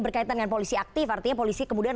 berkaitan dengan polisi aktif artinya polisi kemudian